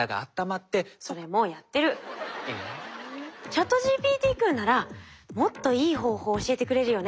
ＣｈａｔＧＰＴ君ならもっといい方法教えてくれるよね。